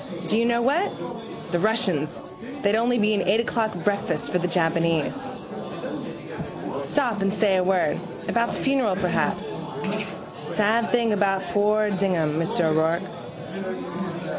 Do you know what? The Russians, they'd only be an eight o'clock breakfast for the Japanese. Stop and say a word: about the funeral perhaps. Sad thing about poor Dignam, Mr O'Rourke.